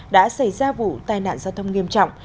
đã xảy ra vụ tai nạn giao thông nghiêm trọng